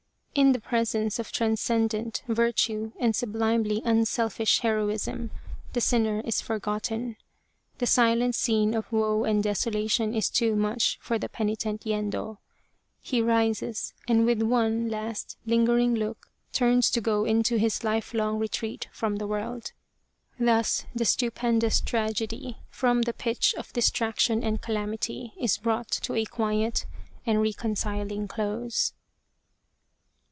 In the presence of transcendent virtue and sublimely unselfish heroism, the sinner is forgotten. The silent scene of woe and desolation is too much for the peni tent Yendo ; he rises, and with one last lingering look turns to go into his lifelong retreat from the world. Thus the stupendous tragedy, from the pitch of dis traction and calamity, is brought to a quiet and reconciling close.